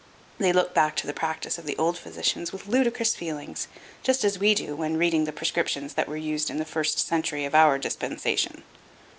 They look back to the practice of the old physicians with ludicrous feelings just as we do when reading the prescriptions that were used in the first century of our dispensation.